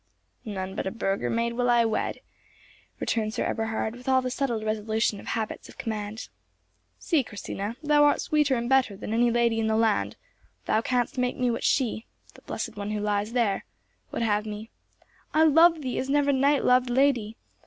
"None but a burgher maid will I wed," returned Sir Eberhard, with all the settled resolution of habits of command. "See, Christina, thou art sweeter and better than any lady in the land; thou canst make me what she—the blessed one who lies there—would have me. I love thee as never knight loved lady.